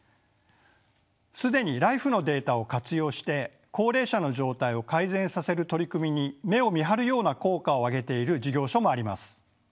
既にＬＩＦＥのデータを活用して高齢者の状態を改善させる取り組みに目をみはるような効果を上げている事業所もあります。